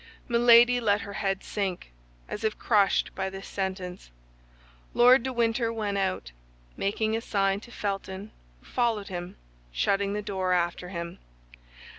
Milady let her head sink, as if crushed by this sentence. Lord de Winter went out, making a sign to Felton, who followed him, shutting the door after him.